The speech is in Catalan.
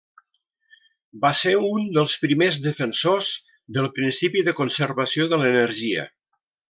Va ser un dels primers defensors del principi de conservació de l'energia.